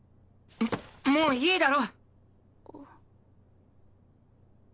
もういいだろ！